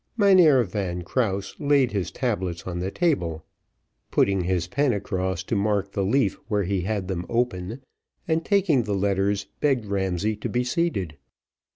Mynheer Van Krause laid his tablets on the table, putting his pen across to mark the leaf where he had them open, and taking the letters begged Ramsay to be seated.